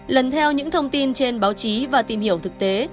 lần theo những thông tin trên báo chí và tìm hiểu thực tế